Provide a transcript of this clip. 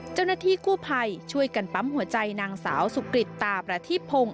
เจ้าหน้าที่กู้ภัยช่วยกันปั๊มหัวใจนางสาวสุกริตตาประทีพงศ